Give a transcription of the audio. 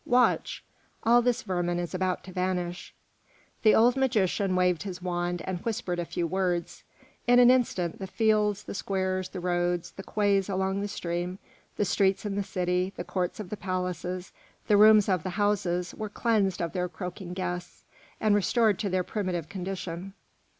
Watch! all this vermin is about to vanish." The old magician waved his wand and whispered a few words; in an instant the fields, the squares, the roads, the quays along the stream, the streets in the city, the courts of the palaces, the rooms of the houses, were cleansed of their croaking guests, and restored to their primitive condition.